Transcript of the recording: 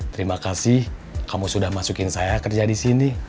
terima kasih kamu sudah masukin saya kerja di sini